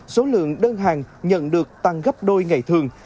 số lượng đơn hàng nhận được tăng gấp đôi ngày thường